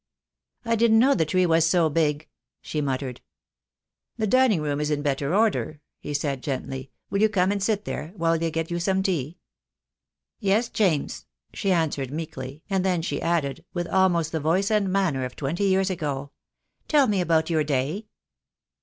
"I didn't know the tree was so big," she muttered. "The dining room is in better order," he said, gently, "will you come and sit there, while they get you some tea ?" 254 THE DAY WILL C0ME "Yes, James," she answered, meekly, and then she added, with almost the voice and manner of twenty years ago, "tell me about your day."